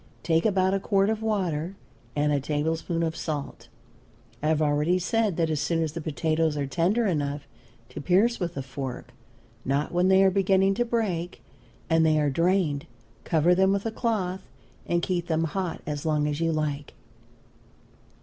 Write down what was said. Take about a quart of water and a tablespoonful of salt. I have already said that as soon as the potatoes are tender enough to pierce with a fork, not when they are beginning to break, and they are drained, cover them with a cloth and keep them hot as long as you like.